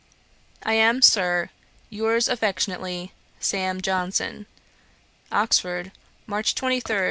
'I am, Sir, 'Yours affectionately, 'SAM. JOHNSON.' 'Oxford, March 23, 1768.'